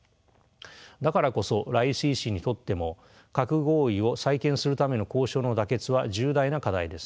だからこそライシ師にとっても核合意を再建するための交渉の妥結は重大な課題です。